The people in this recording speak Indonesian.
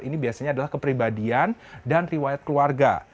ini biasanya adalah kepribadian dan riwayat keluarga